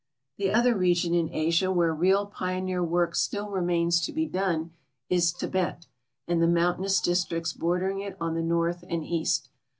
The other region in Asia where real i)ioneer work still remains to be done is Tibet and the mountainous districts bordering it on the north and east.